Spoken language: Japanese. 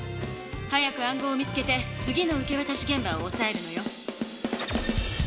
早く暗号を見つけて次の受けわたしげん場をおさえるのよ。